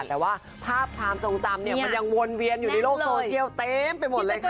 แต่ว่าภาพความทรงจำเนี่ยมันยังวนเวียนอยู่ในโลกโซเชียลเต็มไปหมดเลยค่ะ